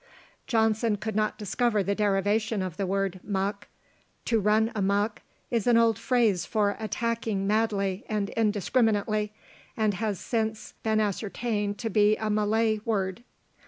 Johnson could not discover the derivation of the word muck. To "run a muck" is an old phrase for attacking madly and indiscriminately; and has since been ascertained to be a Malay word.